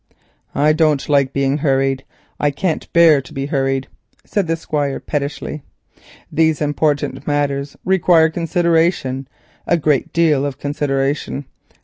"I don't like being hurried. I can't bear to be hurried," said the Squire pettishly. "These important matters require consideration, a great deal of consideration.